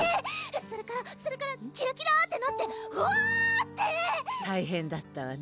それからそれからキラキラッてなってフワーッて大変だったわね